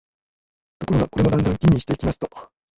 ところが、これもだんだん吟味していきますと、